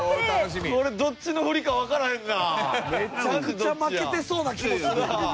めちゃくちゃ負けてそうな気もするな。